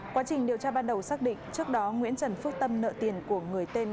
quá trình điều tra ban đầu xác định trước đó nguyễn trần phước tâm nợ tiền của người tên